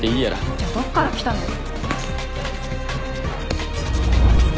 じゃあどっから来たのよ。